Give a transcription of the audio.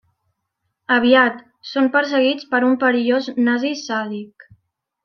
Aviat, són perseguits per un perillós nazi sàdic.